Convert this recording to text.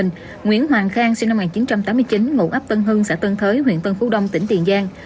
nguyễn hoàng khang sinh năm một nghìn chín trăm tám mươi chín ngụ ấp tân hưng xã tân thới huyện tân phú đông tỉnh tiền giang